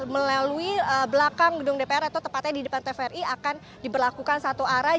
melalui belakang gedung dpr atau tepatnya di depan tvri akan diberlakukan satu arah